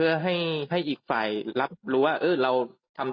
มีไม่ได้มีการคบซ้อนนะครับ